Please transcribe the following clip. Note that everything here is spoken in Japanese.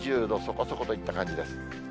２０度そこそこといった感じです。